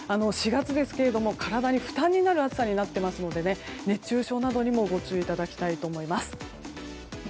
４月ですけども体に負担になる暑さになっているので熱中症などにもご注意いただきたいと思います。